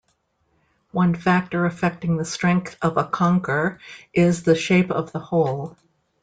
One factor affecting the strength of a conker is the shape of the hole.